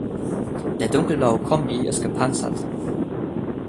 Der dunkelblaue Kombi ist gepanzert.